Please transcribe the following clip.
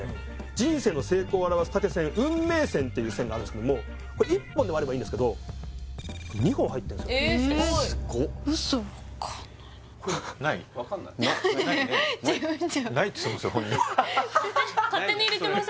人生の成功を表す縦線運命線っていう線があるんですけども１本でもあればいいんですけど２本入ってるんですよえっすごい嘘っわかんないな自分じゃ勝手に入れてません？